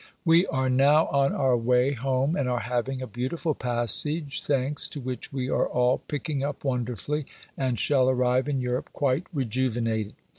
We are now on our way home and are having a beautiful passage, thanks to which we are all picking up wonderfully, and shall arrive in Europe quite rejuvenated.